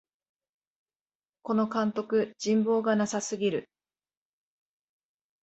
この監督、人望がなさすぎる